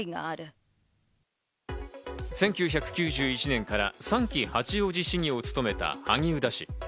１９９１年から３期、八王子市議を務めた萩生田氏。